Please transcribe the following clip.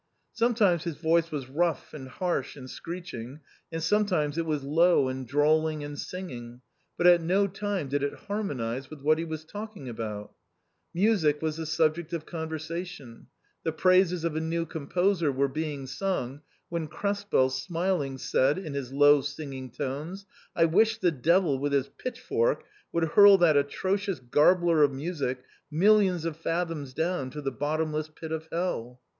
Sometimes his voice was rough and harsh and screeching, and sometimes it was low and drawling and singing ; but at no time did it harmonize with what he was talking about Music was the subject of conversation ; the praises of a new composer were being sung, when Krespel, smiling, said in his low singing tones, " I wish the devil with his pitchfork would hurl that atrocious garbler of music millions of fathoms down to the bottomless pit of hell